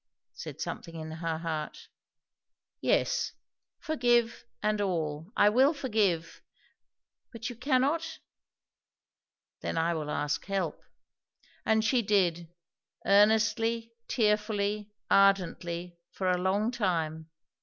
said something in her heart. Yes, forgive and all. I will forgive! But you cannot? Then I will ask help. And she did. Earnestly, tearfully, ardently, for a long time.